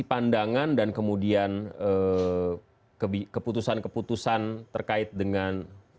daripada pandangan dan keputusan keputusan berkait dengan fenomena yang ada di republik ini